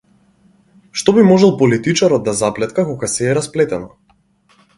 Што би можел политичарот да заплетка кога сѐ е расплетено?